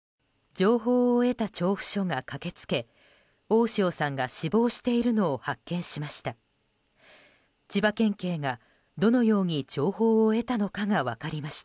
情報を得た調布署が駆け付け大塩さんが死亡しているのを発見しました。